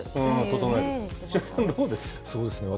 どうです？